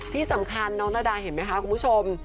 ที่สำคัญน้องนาดาเห็นไหมคะคุณผู้ชม